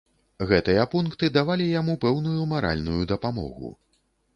Гэтыя пункты давалі яму пэўную маральную дапамогу.